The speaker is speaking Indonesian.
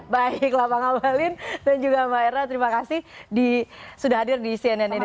baiklah pak ngabalin dan juga mbak era terima kasih sudah hadir di cnn indonesia